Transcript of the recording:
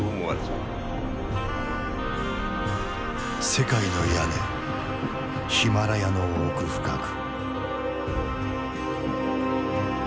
世界の屋根ヒマラヤの奥深く。